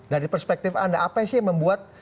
dari perspektif anda apa sih yang membuat